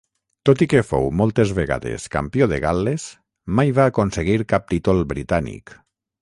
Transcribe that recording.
Tot i que fou moltes vegades campió de Gal·les, mai va aconseguir cap títol britànic.